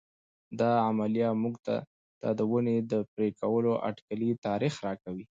دا عملیه موږ ته د ونې د پرې کولو اټکلي تاریخ راکوي.